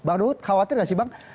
bang ruhut khawatir gak sih bang